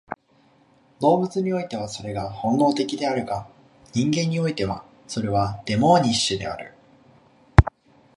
動物においてはそれは本能的であるが、人間においてはそれはデモーニッシュである。